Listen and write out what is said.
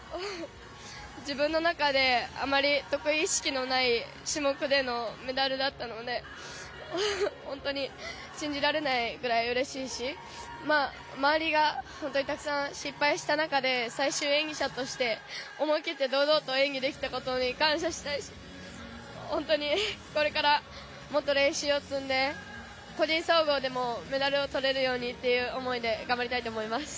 自分の中であまり得意意識のない種目でのメダルだったので、本当に信じられないぐらいうれしいし周りが本当にたくさん失敗した中で最終演技者として思い切って堂々と演技ができたことに感謝して本当にこれからもっと練習を積んで個人総合でも、メダルをとれるようにという思いで頑張りたいと思います。